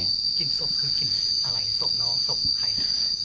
กลิ่นศพคือกลิ่นอะไรศพน้องศพใครนะ